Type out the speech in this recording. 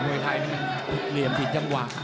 มุยไทยมันเหลี่ยมผิดจำว่าง